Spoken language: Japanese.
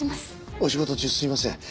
お仕事中すいません。